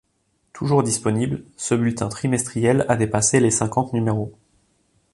Toujours disponible, ce bulletin trimestriel a dépassé les cinquante numéros.